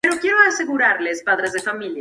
Fue producido por el grupo y Mark Ellis Flood.